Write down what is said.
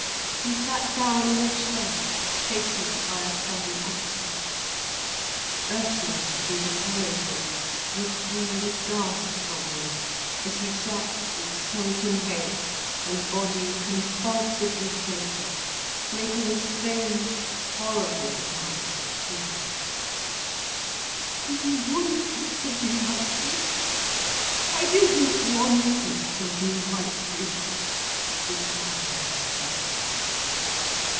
He sat down in a chair, shaken by a sudden access. Ursula who had followed him, recoiled aghast from him, as he sat with sunken head and body convulsively shaken, making a strange, horrible sound of tears. "I didn't want it to be like this—I didn't want it to be like this," he cried to himself.